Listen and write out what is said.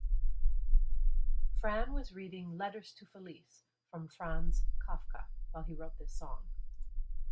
Fran was reading Letters to Felice from Franz Kafka while he wrote this song.